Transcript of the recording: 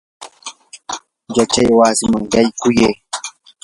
yachaywasiman yaykuyay.